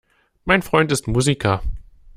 Mein Freund ist Musiker.